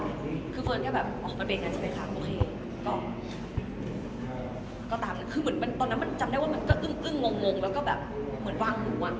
โอเคก็ตามนั้นคือตอนนั้นเหมือนมันจำได้ว่ามันก็เอิ้งงงมันก็แบบว่างหูอ่ะ